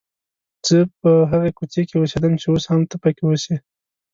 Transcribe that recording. زه په هغې کوڅې کې اوسېدم چې اوس هم ته پکې اوسې.